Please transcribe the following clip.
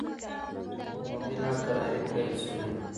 عمومي ناکراري پیل شوه.